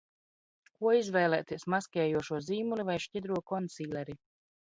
Ko izvēlēties: maskējošo zīmuli vai šķidro konsīleri?